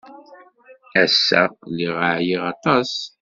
Ass-a, lliɣ ɛyiɣ aṭas.